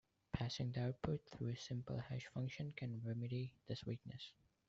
Passing the output through a simple hash function can remedy this weakness.